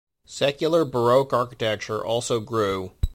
Secular Baroque architecture also grew.